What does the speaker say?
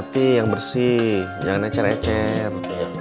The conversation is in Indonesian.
hati yang bersih jangan ecer ecer